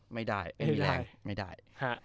ไม่ได้ไม่ได้